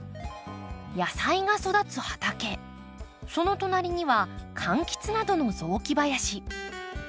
野菜が育つ畑その隣には柑橘などの雑木林。